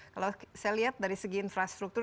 kalau saya lihat dari segi infrastruktur